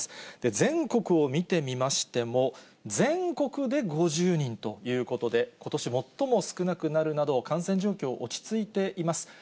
全国を見てみましても、全国で５０人ということで、ことし最も少なくなるなど、感染状況、落ち着いています。